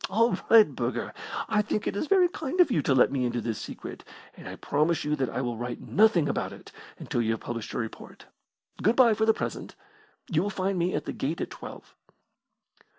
"All right, Burger! I think it is very kind of you to let me into this secret, and I promise you that I will write nothing about it until you have published your report. Good bye for the present! You will find me at the Gate at twelve."